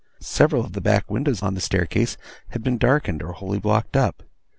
Several of the back windows on the staircase had been darkened or wholly blocked up.